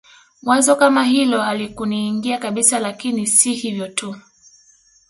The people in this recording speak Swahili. Wazo kama hilo halikuniingia kabisa Lakini si hivyo tu